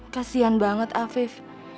kasian banget afif